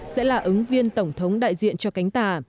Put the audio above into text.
sẽ là ứng viên tổng thống đại diện cho cánh tả